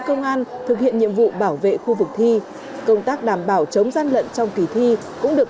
công an thực hiện nhiệm vụ bảo vệ khu vực thi công tác đảm bảo chống gian lận trong kỳ thi cũng được